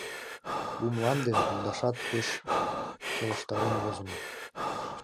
«У мланде» лудашат пеш келыштарен возымо.